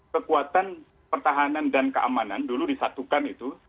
kekuatan pertahanan dan keamanan dulu disatukan itu